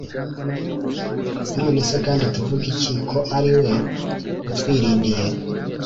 None se kandi tuvuge iki ko ariwe utwirindiye